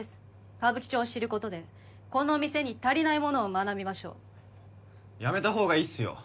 歌舞伎町を知ることでこの店に足りないものを学びましょうやめた方がいいっすよ